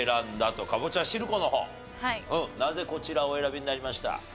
なぜこちらお選びになりました？